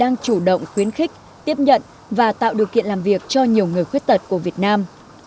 đang chủ động khuyến khích tiếp nhận và tạo điều kiện làm việc cho nhiều người khuyết tật của việt nam